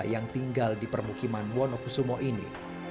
yang tinggal di permukiman wonokusumo ini